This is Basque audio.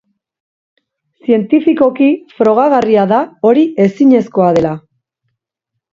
Zientifikoki frogagarria da hori ezinezkoa dela.